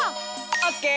オッケー。